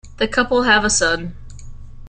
The couple have a son.